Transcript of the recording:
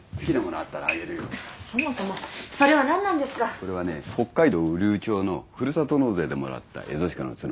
これはね北海道雨竜町のふるさと納税でもらったエゾシカの角。